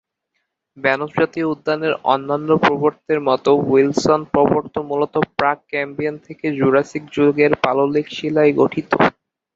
Banff জাতীয় উদ্যানের অন্যান্য পর্বতের মত উইলসন পর্বত মূলত প্রাক-ক্যাম্ব্রিয়ান থেকে জুরাসিক যুগের পাললিক শিলায় গঠিত।